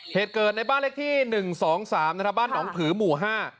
เหตุเกิดในบ้านเลขที่หนึ่งสองสามนะครับบ้านหนองผือหมู่ห้า